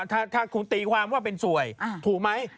ถ้าคุณตีความว่าเป็นสวยถูกไหม